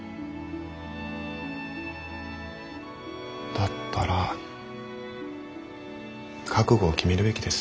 だったら覚悟を決めるべきです。